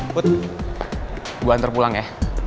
put gue antar pulang ya